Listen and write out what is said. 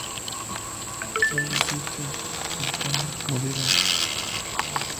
Solo siete espartanos murieron.